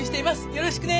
よろしくね。